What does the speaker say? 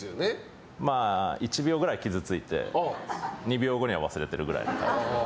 まあ１秒ぐらい傷ついて２秒後には忘れてるぐらいの感じ。